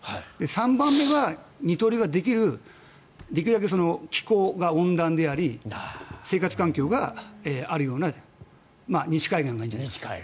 ３番目は二刀流ができるできるだけ気候が温暖であり生活環境があるような西海岸がいいんじゃないかと。